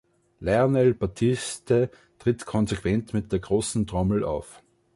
Lionel Batiste tritt konsequent mit der großen Trommel auf.